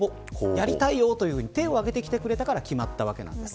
やりたいよと手を上げてきてくれたから決まったわけです。